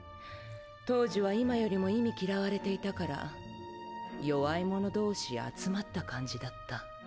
当時は今よりも忌み嫌われていたから弱い者同士集まった感じだった。